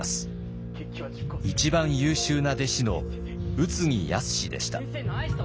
一番優秀な弟子の宇津木靖でした。